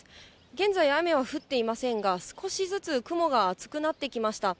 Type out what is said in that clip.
現在、雨は降っていませんが、少しずつ雲が厚くなってきました。